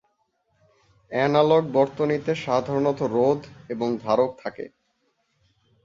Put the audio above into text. Analogue বর্তনীতে সাধারণত রোধ এবং ধারক থাকে।